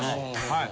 はい。